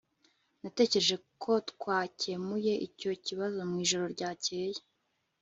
Natekereje ko twakemuye icyo kibazo mwijoro ryakeye